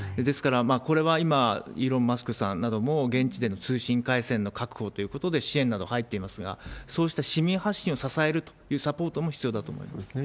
ですから、これは今、イーロン・マスクさんなども現地での通信回線の確保ということで、支援など入っていますが、そうした市民発信を支えるというサポートも必要だと思います。